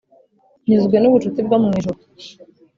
Nyuzwe n’ubucuti bwo mu ijuru